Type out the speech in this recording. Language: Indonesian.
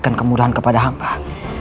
orang besar bisa mendapat soundan